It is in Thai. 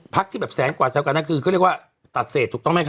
พรรคที่แบบแสนกว่าตัดเสธถูกต้องไหมคะ